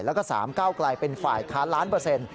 แล้วก็๓ก้าวกลายเป็นฝ่ายค้านล้านเปอร์เซ็นต์